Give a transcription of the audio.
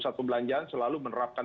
nah pusat perbelanjaan selalu menerapkan